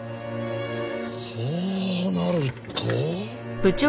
そうなると。